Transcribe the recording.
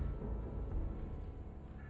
apa yang terjadi